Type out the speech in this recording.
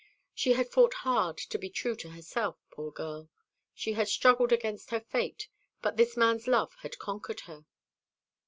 She had fought hard to be true to herself, poor girl: she had struggled against her fate: but this man's love had conquered her."